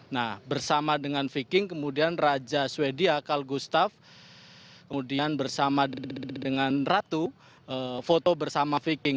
nah bersama dengan viking kemudian raja sweden cal gustav kemudian bersama dengan ratu foto bersama viking